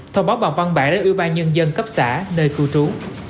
thông báo bằng văn bản đến ưu ba nhân dân cấp xã nơi khu trú